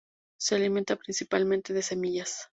Se alimenta principalmente de semillas.